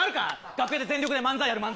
楽屋で全力で漫才やる漫才師。